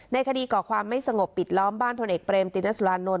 คดีก่อความไม่สงบปิดล้อมบ้านพลเอกเรมตินสุรานนท